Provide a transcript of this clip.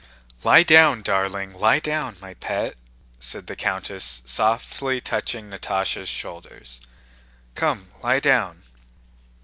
"Lie down, darling; lie down, my pet," said the countess, softly touching Natásha's shoulders. "Come, lie down."